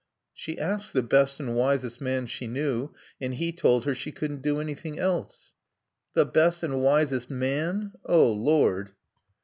"She asked the best and wisest man she knew, and he told her she couldn't do anything else." "The best and wisest man oh, Lord!"